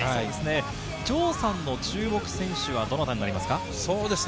城さんの注目選手はどなたになりますか？